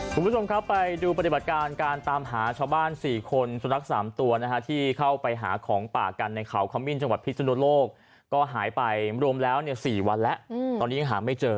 คุณผู้ชมครับไปดูปฏิบัติการการตามหาชาวบ้าน๔คนสุนัขสามตัวนะฮะที่เข้าไปหาของป่ากันในเขาขมิ้นจังหวัดพิศนุโลกก็หายไปรวมแล้วเนี่ย๔วันแล้วตอนนี้ยังหาไม่เจอ